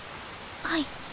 はい。